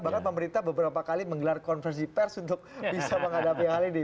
bahkan pemerintah beberapa kali menggelar konversi pers untuk bisa menghadapi hal ini